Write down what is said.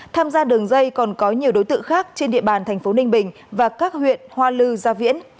tham gia đường dây còn có nhiều đối tượng khác trên địa bàn thành phố ninh bình và các huyện hoa lư gia viễn